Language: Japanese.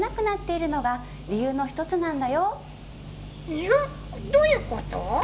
にゅ、どういうこと。